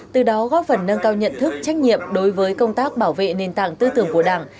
từ đó góp phần nâng cao nhận thức trách nhiệm đối với công tác bảo vệ nền tảng tư tưởng của đảng